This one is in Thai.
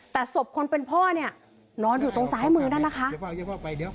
แต่ศพคนเป็นพ่อเนี่ยนอนอยู่ตรงซ้ายมือนั่นนะคะ